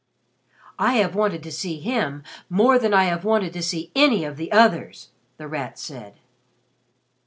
"I have wanted to see him more than I have wanted to see any of the others," The Rat said.